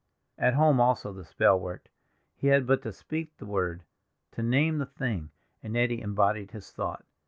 At home also the spell worked. He had but to speak the word, to name the thing, and Nettie embodied his thought.